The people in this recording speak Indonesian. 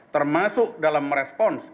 termasuk dalam respon